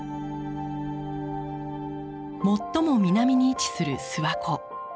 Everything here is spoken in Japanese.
最も南に位置する諏訪湖。